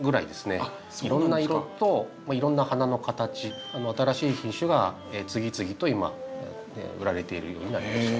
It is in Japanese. いろんな色といろんな花の形新しい品種が次々と今売られているようになりました。